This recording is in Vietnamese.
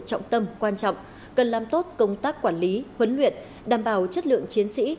trọng tâm quan trọng cần làm tốt công tác quản lý huấn luyện đảm bảo chất lượng chiến sĩ